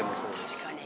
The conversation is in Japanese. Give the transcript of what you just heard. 確かに。